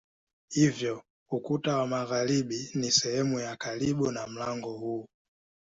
Hivyo ukuta wa magharibi ni sehemu ya karibu na mlango huu.